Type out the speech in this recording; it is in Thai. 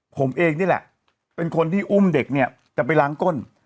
ผมเองนี่แหละเป็นคนที่อุ้มเด็กเนี่ยจะไปล้างก้น